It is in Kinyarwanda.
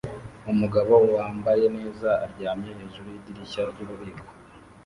Umugabo wambaye neza aryamye hejuru yidirishya ryububiko